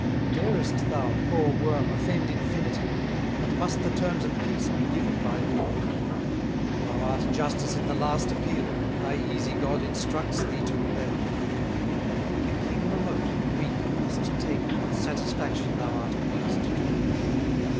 Darest thou, poor worm, offend Infinity? And must the terms of peace be given by thee? Then thou art Justice in the last appeal; Thy easy God instructs thee to rebel: And, like a king remote, and weak, must take What satisfaction thou art pleased to make.